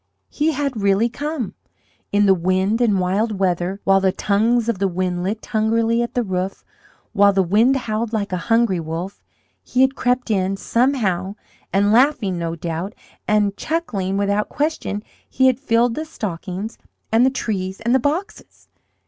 He had really come! In the wind and wild weather, while the tongues of the wind licked hungrily at the roof, while the wind howled like a hungry wolf, he had crept in somehow and laughing, no doubt, and chuckling, without question, he had filled the stockings and the trees and the boxes!